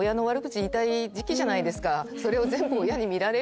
それを。